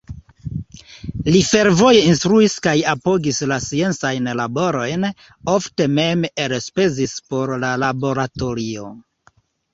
Li fervore instruis kaj apogis la sciencajn laborojn, ofte mem elspezis por la laboratorio.